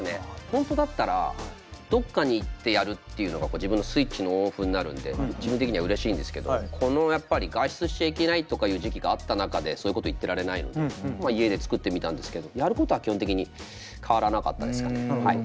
本当だったらどっかに行ってやるっていうのが自分のスイッチのオンオフになるんで自分的にはうれしいんですけどこのやっぱり外出しちゃいけないとかいう時期があった中でそういうこと言ってられないので家で作ってみたんですけどやることは基本的に変わらなかったですかねはい。